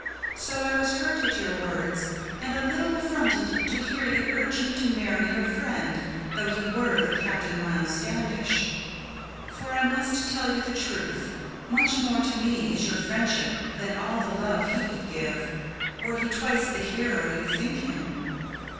So I was hurt at your words, and a little affronted to hear you Urge me to marry your friend, though he were the Captain Miles Standish. For I must tell you the truth: much more to me is your friendship Than all the love he could give, were he twice the hero you think him."